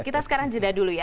kita sekarang jeda dulu ya